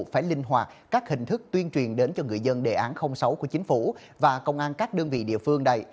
phải linh hoạt các hình thức tuyên truyền đến cho người dân đề án sáu của chính phủ và công an các đơn vị địa phương này